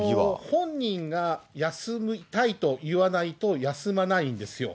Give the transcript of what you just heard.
本人が休みたいと言わないと休まないんですよ。